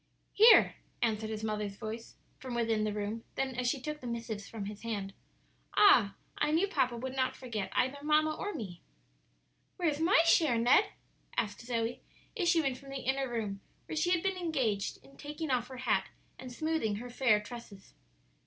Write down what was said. "Here," answered his mother's voice from within the room; then as she took the missives from his hand, "Ah, I knew papa would not forget either mamma or me." "Where's my share, Ned?" asked Zoe, issuing from the inner room, where she had been engaged in taking off her hat and smoothing her fair tresses.